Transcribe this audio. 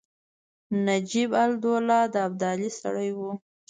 نجیب الدوله د ابدالي سړی وو.